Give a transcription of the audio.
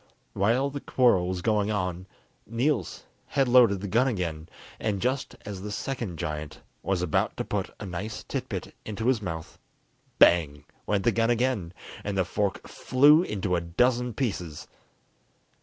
While the quarrel was going on, Niels had loaded the gun again, and just as the second giant was about to put a nice tit bit into his mouth, bang! went the gun again, and the fork flew into a dozen pieces.